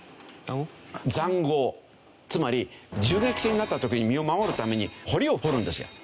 つまり銃撃戦があった時に身を守るために壕を掘るんですよ。